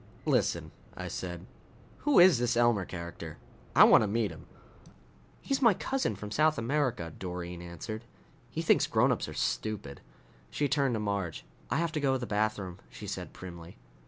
"Listen," I said, "who is this Elmer character? I want to meet him!" "He's my cousin from South America," Doreen answered. "He thinks grownups are stupid." She turned to Marge. "I have to go to the bathroom," she said primly.